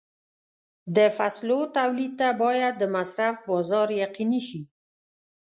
د فصلو تولید ته باید د مصرف بازار یقیني شي.